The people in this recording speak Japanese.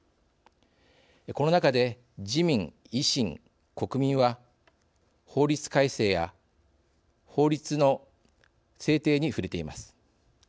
この中で、自民、維新、国民は法律改正や法律の制定に触れています。